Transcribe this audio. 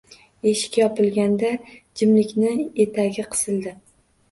Eshik yopilganda jimlikning etagi qisildi.